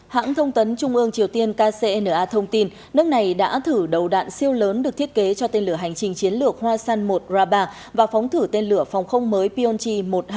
hãng thông tấn trung ương triều tiên kcna thông tin nước này đã thử đầu đạn siêu lớn được thiết kế cho tên lửa hành trình chiến lược huasan một raba và phóng thử tên lửa phòng không mới pionchi một trăm hai mươi một